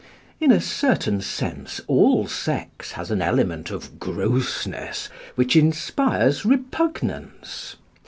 In a certain sense all sex has an element of grossness which inspires repugnance.